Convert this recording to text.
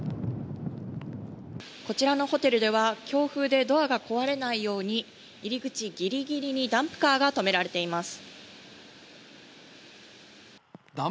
こちらのホテルでは、強風でドアが壊れないように、入り口ぎりぎりにダンプカーが止められています。